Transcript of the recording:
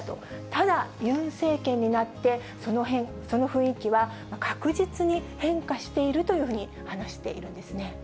ただユン政権になって、その雰囲気は確実に変化しているというふうに話しているんですね。